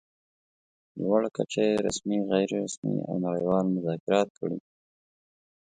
په لوړه کچه يې رسمي، غیر رسمي او نړۍوال مذاکرات کړي.